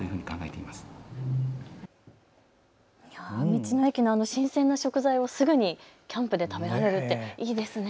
道の駅の新鮮な食材をすぐにキャンプで食べられるっていいですね。